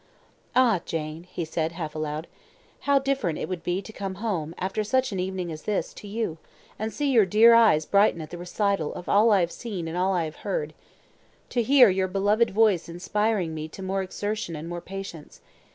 "Ah, Jane," said he, half aloud, "how different it would be to come home, after such an evening as this, to you; to see your dear eyes brighten at the recital of all I have seen and all I have heard; to hear your beloved voice inspiring me to more exertion and more patience.